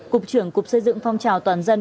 cục trưởng cục xây dựng phong trào toàn dân